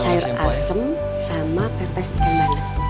sayur asem sama pepes ikan banget